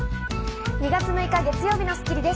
２月６日、月曜日の『スッキリ』です。